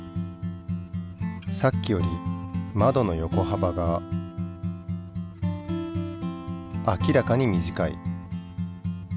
さっきよりまどの横はばが明らかに短い。